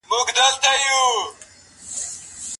کله چي زه کوچنی وم دغه مجلې به مي لوستې.